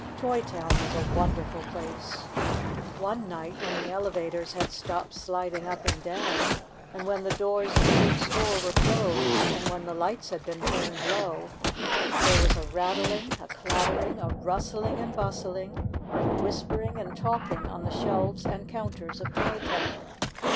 Toy Town was a wonderful place ! One night, when the elevators had stopped sliding up and down, and when the doors of the big store were closed, and when the lights had been turned low, there was a rattling, a clattering, a rustling and bustling and a whispering and talking on the shelves and counters of Toy Town.